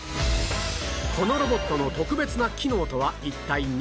このロボットの特別な機能とは一体なんでしょう？